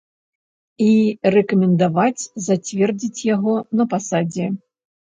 І рэкамендаваць зацвердзіць яго на пасадзе.